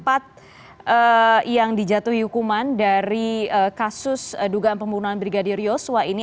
yang dijatuhi hukuman dari kasus dugaan pembunuhan brigadir yosua ini